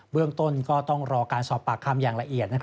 เรื่องต้นก็ต้องรอการสอบปากคำอย่างละเอียด